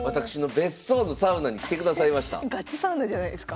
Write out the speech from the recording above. ガチサウナじゃないですか。